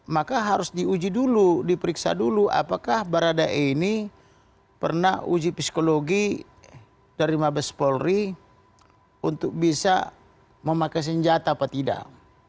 maka harus diuji dulu diperiksa dulu apakah baradae ini pernah uji psikologi dari mabes polri untuk bisa memakai senjata apa tidak